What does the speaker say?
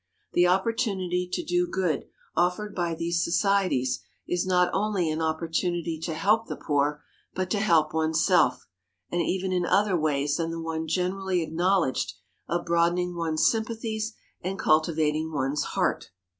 The opportunity to do good offered by these societies is not only an opportunity to help the poor, but to help one's self, and even in other ways than the one generally acknowledged of broadening one's sympathies and cultivating one's heart.